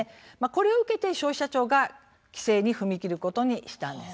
これを受けて消費者庁が規制に踏み切ることにしたんです。